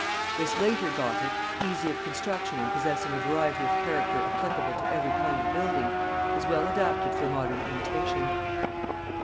This later Gothic, easy of construction and possessing a variety of character applicable to every kind of building, is well adapted for modern imitation.